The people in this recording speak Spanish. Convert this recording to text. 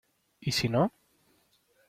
¿ y si no...?